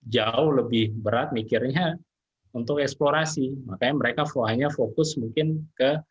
jauh lebih berat mikirnya untuk eksplorasi makanya mereka hanya fokus mungkin ke